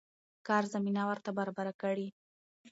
کار زمينه ورته برابره کړي.